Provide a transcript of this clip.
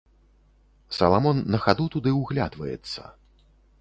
Саламон на хаду туды ўглядваецца.